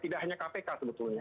tidak hanya kpk sebetulnya